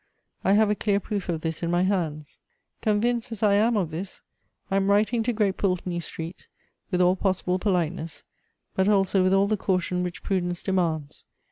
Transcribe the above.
I have a clear proof of this in my hands. Convinced as I am of this, I am writing to Great Pulteney Street with all possible politeness, but also with all the caution which prudence demands.